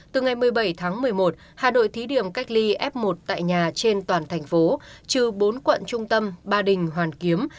từ ngày một mươi bảy tháng một mươi một hà nội thí điểm cách ly f một tại nhà trên toàn thành phố trừ bốn quận trung tâm ba đình hoàn kiếm